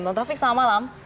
bang taufik selamat malam